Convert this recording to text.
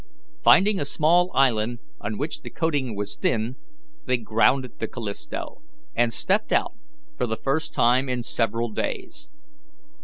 Finding a small island on which the coating was thin, they grounded the Callisto, and stepped out for the first time in several days.